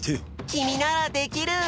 きみならできる！